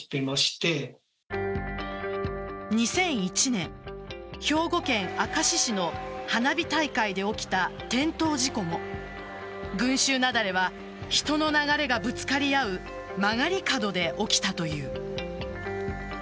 ２００１年、兵庫県明石市の花火大会で起きた転倒事故も群集雪崩は人の流れがぶつかり合う曲がり角で起きたという。